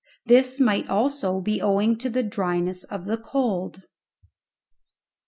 This might also be owing to the dryness of the cold.